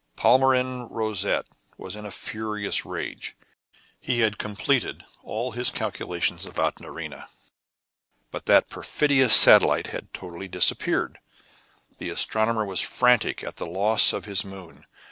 Palmyrin Rosette was in a furious rage. He had completed all his calculations about Nerina, but that perfidious satellite had totally disappeared. The astronomer was frantic at the loss of his moon.